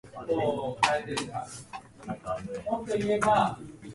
A biographical introduction to "The Backwater of Life" was furnished by Sir Leslie Stephen.